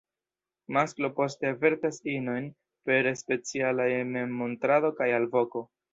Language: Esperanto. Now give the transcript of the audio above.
Masklo poste avertas inojn per specialaj memmontrado kaj alvoko.